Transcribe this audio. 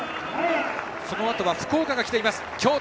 そのあとは福岡が来ています。